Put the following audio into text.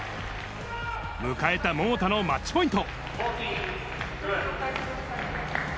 迎えた桃田のマッチポイント。